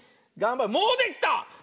もうできた！